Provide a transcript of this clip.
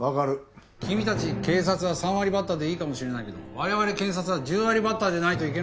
君たち警察は３割バッターでいいかもしれないけど我々検察は１０割バッターでないといけないんだよ。